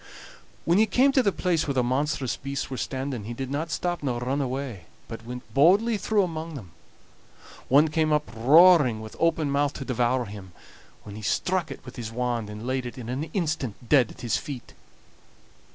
When he came to the place where the monstrous beasts were standing, he did not stop nor run away, but went boldly through among them. One came up roaring with open mouth to devour him, when he struck it with his wand, and laid it in an instant dead at his feet.